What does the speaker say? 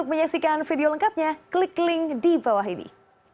menyesikan video lengkapnya klik link di bawah ini